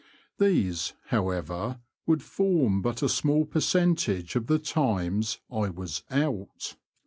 These, however, would form but a small percentage of the times I was '' out."